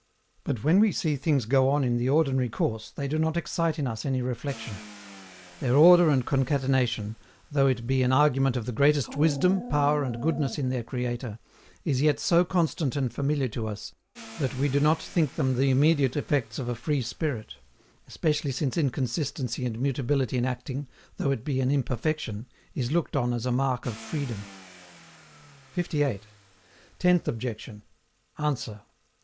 But, when we see things go on in the ordinary course they do not excite in us any reflexion; their order and concatenation, though it be an argument of the greatest wisdom, power, and goodness in their creator, is yet so constant and familiar to us that we do not think them the immediate effects of a Free Spirit; especially since inconsistency and mutability in acting, though it be an imperfection, is looked on as a mark of freedom. 58. TENTH OBJECTION. ANSWER.